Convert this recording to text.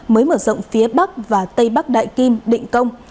mới mở rộng phía bắc và tây bắc đại kim định công